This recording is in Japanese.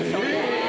え！